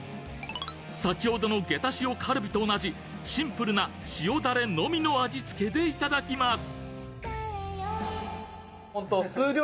先ほどのゲタ塩カルビと同じシンプルな塩だれのみの味付けで頂きます。